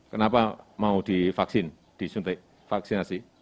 kenapa mau divaksinasi